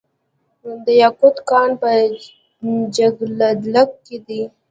د یاقوت کان په جګدلک کې دی